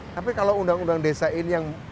tapi kalau undang undang desa ini yang